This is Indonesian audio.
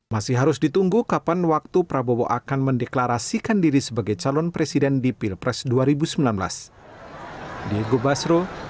masih harus ditunggu kapan waktu prabowo akan mendeklarasikan diri sebagai calon presiden di pilpres dua ribu sembilan belas